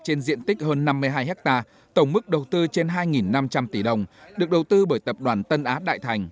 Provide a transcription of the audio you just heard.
trên diện tích hơn năm mươi hai hectare tổng mức đầu tư trên hai năm trăm linh tỷ đồng được đầu tư bởi tập đoàn tân á đại thành